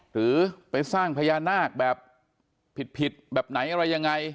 หรือไปสร้างพญานาคแบบผิดแบบไหนอะไรยังไง